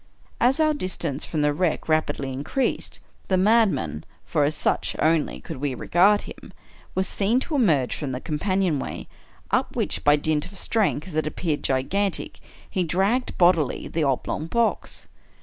As our distance from the wreck rapidly increased, the madman (for as such only could we regard him) was seen to emerge from the companion way, up which by dint of strength that appeared gigantic, he dragged, bodily, the oblong box.